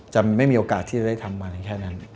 จะไม่มีโอกาสที่จะได้ทำมันแค่นั้น